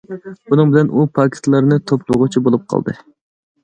بۇنىڭ بىلەن ئۇ پاكىتلارنى توپلىغۇچى بولۇپ قالدى.